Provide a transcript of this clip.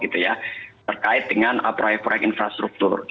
terkait dengan proyek proyek infrastruktur